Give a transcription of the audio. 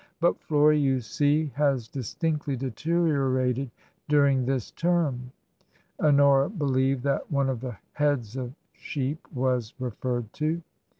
But Florie, you see, has distinctly deteriorated during this term." [Honora believed that one of the heads of sheep was referred to.